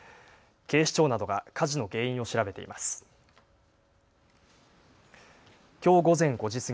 警視庁などが火事の原因を調べています。